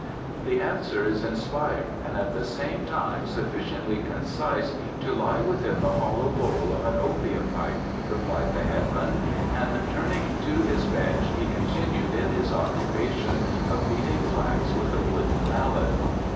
"The answer is inspired and at the same time sufficiently concise to lie within the hollow bowl of an opium pipe," replied the headman, and turning to his bench he continued in his occupation of beating flax with a wooden mallet.